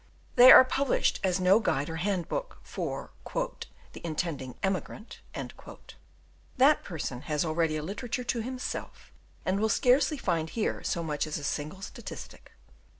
They are published as no guide or handbook for "the intending emigrant;" that person has already a literature to himself, and will scarcely find here so much as a single statistic.